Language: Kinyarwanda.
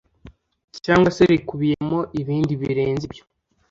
cyangwa se rikubiyemo ibindi birenze ibyo?